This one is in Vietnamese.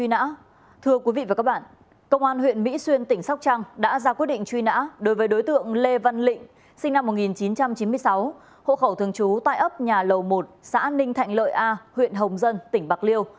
năm một nghìn chín trăm chín mươi sáu hộ khẩu thường trú tại ấp nhà lầu một xã ninh thạnh lợi a huyện hồng dân tỉnh bạc liêu